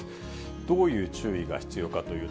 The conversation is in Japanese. どういう注意が必要かというと。